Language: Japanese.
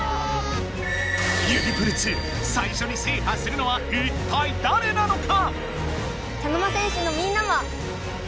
指プル２最初に制覇するのはいったいだれなのか？